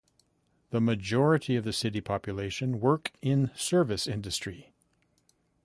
The majority of the city population work in service industry.